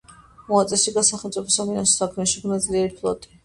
მოაწესრიგა სახელმწიფო საფინანსო საქმე, შექმნა ძლიერი ფლოტი.